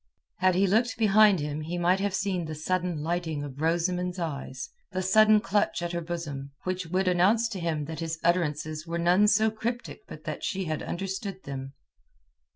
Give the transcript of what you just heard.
Had he looked behind him he might have seen the sudden lighting of Rosamund's eyes, the sudden clutch at her bosom, which would have announced to him that his utterances were none so cryptic but that she had understood them.